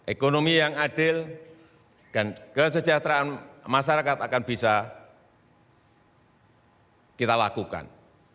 ekonomi yang adil dan kesejahteraan masyarakat akan bisa kita lakukan